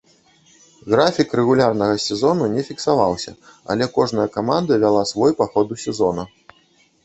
Графік рэгулярнага сезону не фіксаваўся, але кожная каманда вяла свой па ходу сезона.